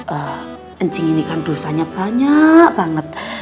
ehm ncing ini kan dosanya banyak banget